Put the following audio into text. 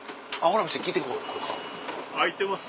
開いてます？